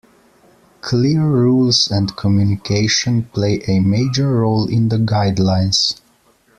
Clear rules and communication play a major role in the guidelines.